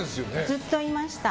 ずっといました。